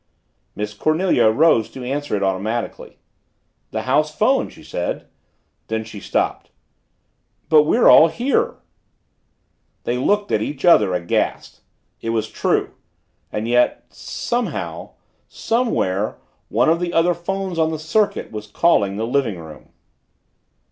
Miss Cornelia rose to answer it automatically. "The house phone!" she said. Then she stopped. "But we're all here." They looked attach other aghast. It was true. And yet somehow somewhere one of the other phones on the circuit was calling the living room.